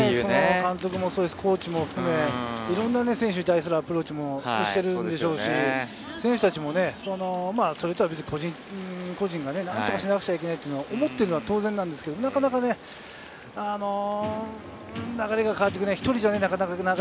監督もコーチも含め、いろんな選手に対するアプローチもしてるでしょうし、選手たちも個人個人が何とかしなくちゃいけないと思ってるのは当然なんですけれど、なかなか流れが変わらない。